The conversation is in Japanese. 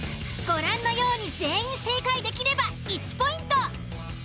ご覧のように全員正解できれば１ポイント。